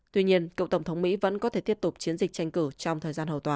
tuy nhiên cựu tổng thống mỹ vẫn có thể tiếp tục chiến dịch tranh cử trong thời gian hầu tòa